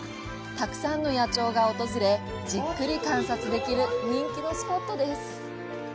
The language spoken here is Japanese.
たくさんの野鳥が訪れじっくり観察できる人気のスポットです。